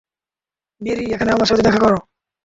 Mary, এখানে আমার সাথে দেখা কর।